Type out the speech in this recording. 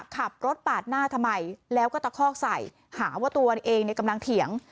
ขับรถปาดหน้าทำไมแล้วก็ตะคอกใส่หาว่าตัวเองกำลังเถียง